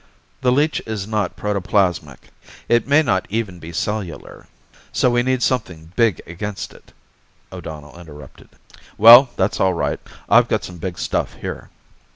The leech is not protoplasmic. It may not even be cellular " "So we need something big against it," O'Donnell interrupted. "Well, that's all right. I've got some big stuff here."